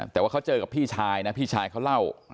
แต่ว่าเขาเจอกับพี่ชายเขาเล่า